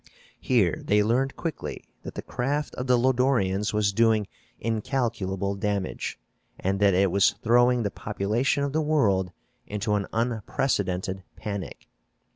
Here they learned quickly that the craft of the Lodorians was doing incalculable damage, and that it was throwing the population of the world into an unprecedented panic.